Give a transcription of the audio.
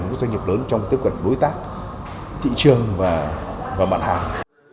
với các doanh nghiệp lớn trong tiếp cận đối tác thị trường và mạng hàng